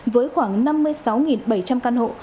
với khoảng năm mươi sáu bảy trăm linh căn hộ